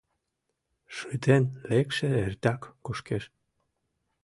Шытен лекше эртак кушкеш.